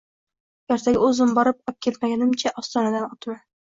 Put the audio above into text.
Ertaga o‘zim borib obkelmaganimcha ostonadan o‘tma!